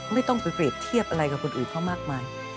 ไม่ต้องไปเปรียบเทียบอะไรกับคนอื่นเขามากมาย